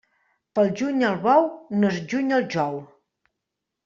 Pel juny el bou no es juny al jou.